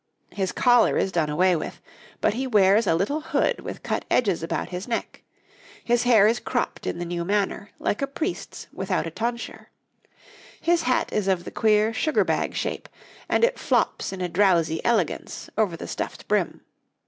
His collar is done away with, but he wears a little hood with cut edges about his neck; his hair is cropped in the new manner, like a priest's without a tonsure; his hat is of the queer sugar bag shape, and it flops in a drowsy elegance over the stuffed brim.